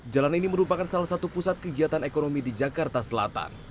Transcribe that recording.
jalan ini merupakan salah satu pusat kegiatan ekonomi di jakarta selatan